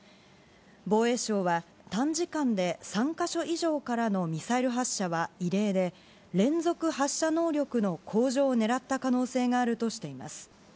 防衛省は、短時間で３か所以上からのミサイル発射は異例で、連続発射能力の向上をねらった可能性があるとしています。